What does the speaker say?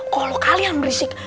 kalo kalian berisik